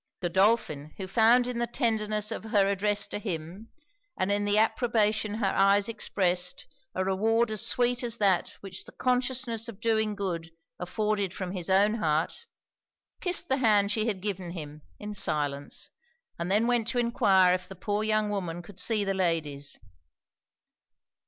Godolphin, who found in the tenderness of her address to him, and in the approbation her eyes expressed, a reward as sweet as that which the consciousness of doing good afforded from his own heart; kissed the hand she had given him, in silence, and then went to enquire if the poor young woman could see the ladies.